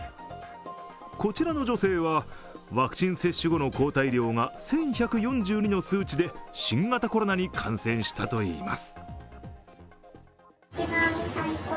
こちらの女性は、ワクチン接種後の抗体量が１１４２の数値で新型コロナに感染したといいます。